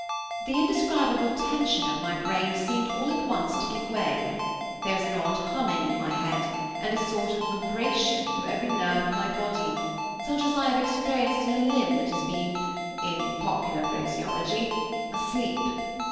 The indescribable tension of my brain seemed all at once to give way; there was an odd humming in my head, and a sort of vibration through every nerve of my body, such as I have experienced in a limb that has been, in popular phraseology, asleep.